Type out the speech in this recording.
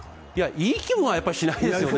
いい気分はやっぱりしないですよね。